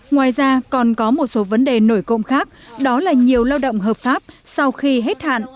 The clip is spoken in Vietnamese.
ngoài ra còn có một số vấn đề nổi công khác đó là nhiều lao động hợp pháp sau khi hết hạn